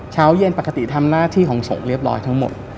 เช้าเย็นปกติทำหน้าที่ของสงฆ์เรียบร้อยทั้งหมด